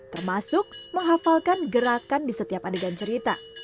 termasuk menghafalkan gerakan di setiap adegan cerita